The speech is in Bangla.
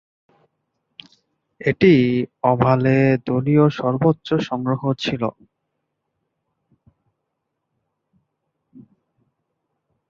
এটিই ওভালে দলীয় সর্বোচ্চ সংগ্রহ ছিল।